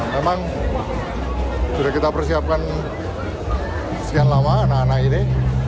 memang sudah kita persiapkan sekian lama anak anak ini